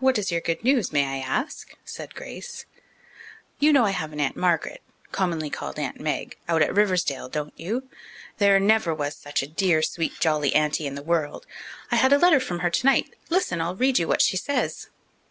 "What is your good news, may I ask?" said Grace. "You know I have an Aunt Margaret commonly called Aunt Meg out at Riversdale, don't you? There never was such a dear, sweet, jolly aunty in the world. I had a letter from her tonight. Listen, I'll read you what she says."